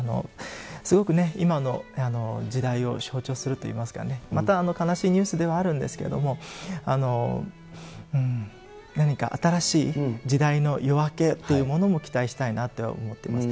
すごくね、今の時代を象徴するといいますかね、また、悲しいニュースではあるんですけれども、何か新しい時代の夜明けというものも、期待したいなと思ってます。